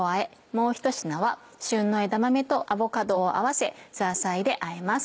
もうひと品は旬の枝豆とアボカドを合わせザーサイであえます。